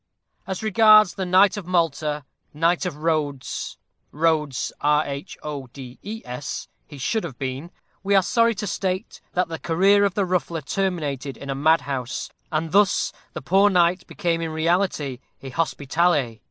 As regards the knight of Malta Knight of Roads "Rhodes" he should have been we are sorry to state that the career of the Ruffler terminated in a madhouse, and thus the poor knight became in reality a Hospitaller!